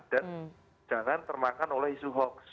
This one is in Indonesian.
dan jangan termakan oleh isu hoax